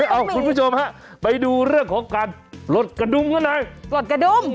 เอ้าคุณผู้ชมฮะไปดูเรื่องของการลดกระดุมขนาดไหน